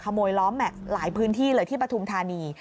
ล้อแม็กซ์หลายพื้นที่เลยที่ปฐุมธานี